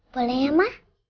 boleh ya ma